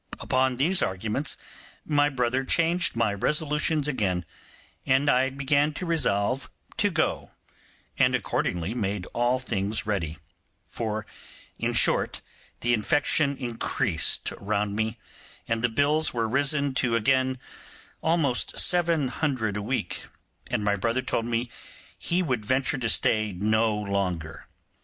Upon these arguments my brother changed my resolutions again, and I began to resolve to go, and accordingly made all things ready; for, in short, the infection increased round me, and the bills were risen to almost seven hundred a week, and my brother told me he would venture to stay no longer.